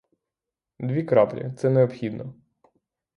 Дві краплі, це необхідно.